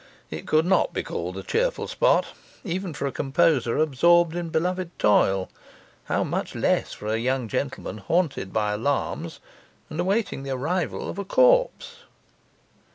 It could not be called a cheerful spot, even for a composer absorbed in beloved toil; how much less for a young gentleman haunted by alarms and awaiting the arrival of a corpse!